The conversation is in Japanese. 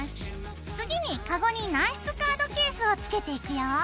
次にカゴに軟質カードケースをつけていくよ。